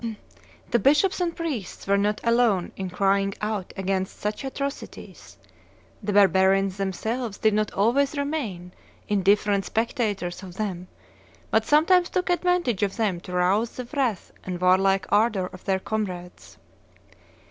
The bishops and priests were not alone in crying out against such atrocities; the barbarians themselves did not always remain indifferent spectators of them, but sometimes took advantage of them to rouse the wrath and warlike ardor of their comrades.